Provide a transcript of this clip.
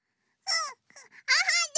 うん！